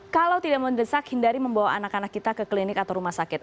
kalau tidak mendesak hindari membawa anak anak kita ke klinik atau rumah sakit